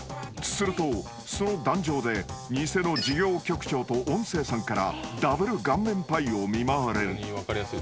［するとその壇上でニセの事業局長と音声さんからダブル顔面パイを見舞われる］